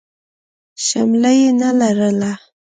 شمله يې نه لرله.